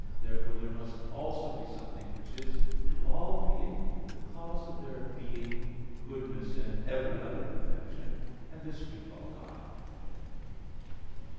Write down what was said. Therefore there must also be something which is to all beings the cause of their being, goodness, and every other perfection; and this we call God.